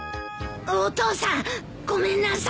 お父さんごめんなさい。